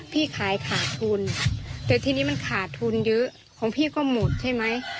พี่ขายขาดทุนแต่ทีนี้มันขาดทุนเยอะของพี่ก็หมดใช่ไหม